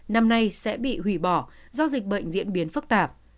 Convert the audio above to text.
năm nay sẽ bị hủy bỏ do dịch bệnh diễn biến phức tạp